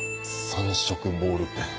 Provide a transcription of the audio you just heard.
３色ボールペン。